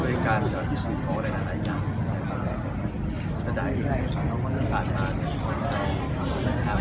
เพราะว่าตอนนี้อย่างที่ทราบเรามีงานทั้งสองฝั่ง